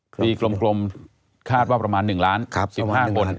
ปีกลมคาดว่าประมาณ๑ล้าน๑๕คน